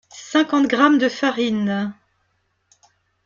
cinquante grammes de farine